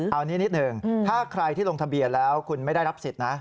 เอานี้นิดหนึ่งถ้าใครที่ลงทะเบียนแล้วคุณไม่ได้รับสิทธิ์นะ